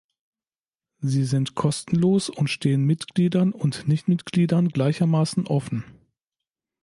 Sie sind kostenlos und stehen Mitgliedern und Nichtmitgliedern gleichermaßen offen.